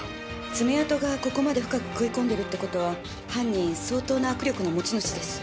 爪痕がここまで深く食い込んでるって事は犯人相当な握力の持ち主です。